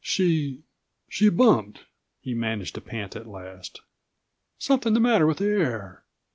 "She—she bumped," he managed to pant at last. "Something the matter with the air."